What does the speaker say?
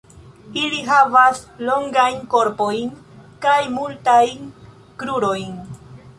Ili havas longajn korpojn kaj multajn krurojn.